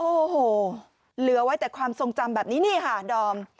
โอ้โหหลือไว้แต่ความทรงจำแบบนี้ดรอม